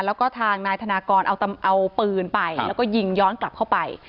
แล้วก็ทางนายธนากรเอาปืนไปแล้วก็ยิงย้อนกลับเข้าไป